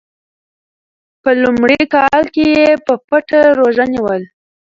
په لومړي کال کې یې په پټه روژه نیوله.